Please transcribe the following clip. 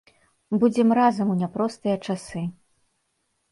Будзем разам у няпростыя часы!